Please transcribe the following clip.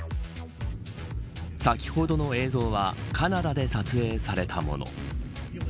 先ほどの映像はカナダで撮影されたもの。